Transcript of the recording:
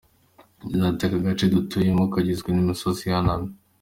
Yagize ati “Aka gace dutuyemo kagizwe n’imisozi ihanamye.